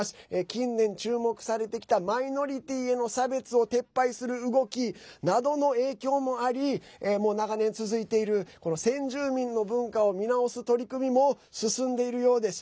近年、注目されてきたマイノリティーへの差別を撤廃する動きなどの影響もありもう長年続いている先住民の文化を見直す取り組みも進んでいるようです。